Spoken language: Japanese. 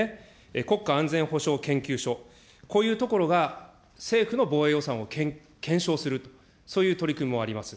国家安全保障研究所、こういうところが、政府の防衛予算を検証する、そういう取り組みもあります。